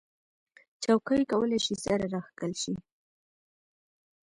چوکۍ کولی شي سره راښکل شي.